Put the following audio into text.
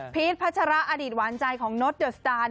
พัชระอดีตหวานใจของโน๊ตเดอร์สตาร์